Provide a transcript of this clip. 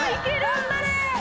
頑張れ！